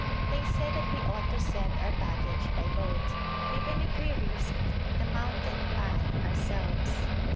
They said that we ought to send our baggage by boat, even if we risked the mountain path ourselves.